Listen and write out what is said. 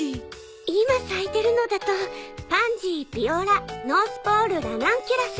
今咲いてるのだとパンジービオラノースポールラナンキュラス。